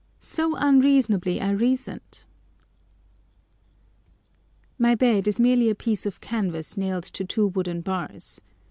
So unreasonably I reasoned! My bed is merely a piece of canvas nailed to two wooden bars.